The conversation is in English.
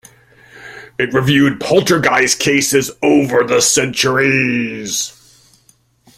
It reviewed poltergeist cases over the centuries.